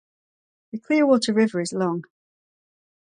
The Clearwater River is long.